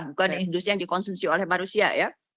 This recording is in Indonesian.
bukan industri yang dikonsumsi oleh manusia ya